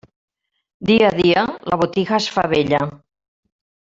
Dia a dia la botija es fa vella.